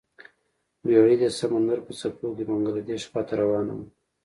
بیړۍ د سمندر په څپو کې بنګلادیش خواته روانه وه.